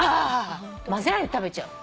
まぜないで食べちゃう。